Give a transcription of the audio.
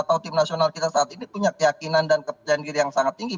atau tim nasional kita saat ini punya keyakinan dan kepercayaan diri yang sangat tinggi